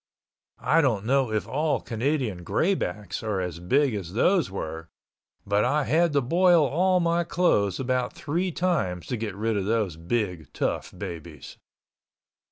I don't know if all Canadian Greybacks are as big as those were, but I had to boil all my clothes about three times to get rid of those big tough babies.